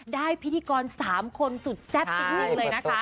ได้พิธีกร๓คนสุดแซ่บสุดทุกนี้เลยนะคะ